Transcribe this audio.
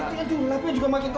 lepas itu lapanya juga makin tata